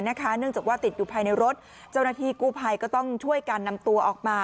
เนื่องจากว่าติดอยู่ภายในรถเจ้าหน้าที่กู้ภัยก็ต้องช่วยการนำตัวออกมา